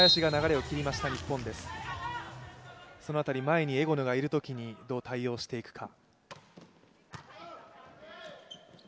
その辺り、前にエゴヌがいるときに、どう対応していくか。